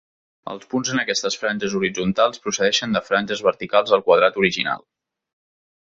Els punts en aquestes franges horitzontals procedeixen de franges verticals al quadrat original.